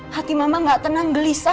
hati mama gak tenang gelisah